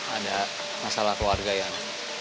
ada masalah keluarga ya an